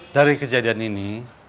dari kejadian ini